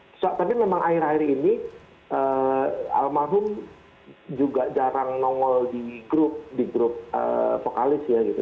tapi memang akhir akhir ini almarhum juga jarang nongol di grup di grup vokalis ya gitu